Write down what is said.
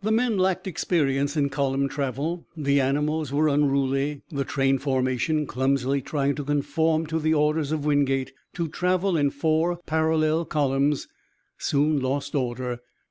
The men lacked experience in column travel, the animals were unruly. The train formation clumsily trying to conform to the orders of Wingate to travel in four parallel columns soon lost order.